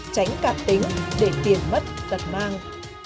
tránh cạn tính để tiền mất đặt mang